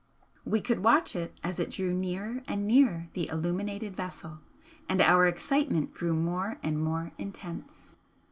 We could watch it as it drew nearer and nearer the illuminated vessel, and our excitement grew more and more intense.